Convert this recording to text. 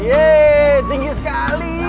yeay tinggi sekali